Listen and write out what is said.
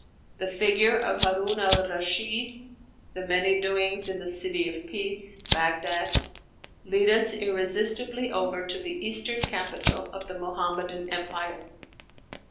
The figure of Harun al Rashid, the many doings in the "City of Peace" (Bagdad), lead us irresistibly over to the Eastern capital of the Muhammadan Empire.